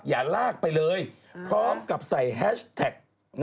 อย่าลากไปเลยพร้อมกับใส่แฮชแท็ก